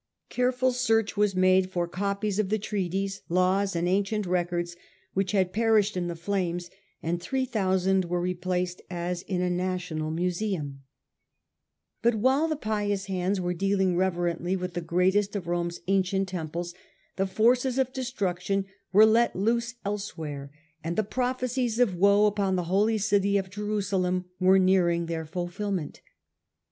Careful search was made for copies of the treaties, laws, and ancient records which had perished in the flames, and three thousand were replaced, as in a national museunx A. H, L A.D. 69 79 146 The Earlier Empire, But while pious hands were dealing reverently with the greatest of Rome's ancient temples the forces of destruction were let loose elsewhere, and prophecies of woe upon the Holy City of Jerusalem were nearing their The causes of fulfillment.